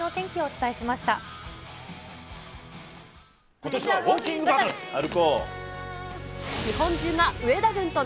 ことしはウォーキングバトル。